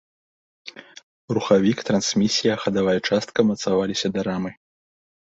Рухавік, трансмісія, хадавая частка мацаваліся да рамы.